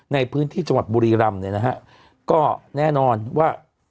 ในพื้นที่จังหวัดบุรีรำ